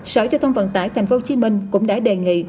sở giao thông vận tải tp hcm cũng đã đề nghị